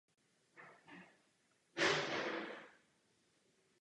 Proto museli velkou část postupně prodat.